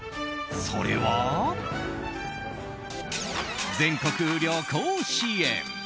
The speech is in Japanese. それは、全国旅行支援！